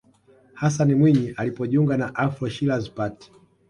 hassan mwinyi alipojiunga na afro shiraz party